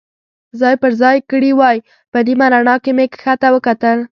ځای پر ځای کړي وای، په نیمه رڼا کې مې کښته ته وکتل.